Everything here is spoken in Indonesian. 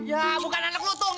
ya bukan anak lutung